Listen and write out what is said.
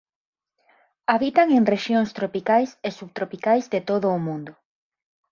Habitan en rexións tropicais e subtropicais de todo o mundo.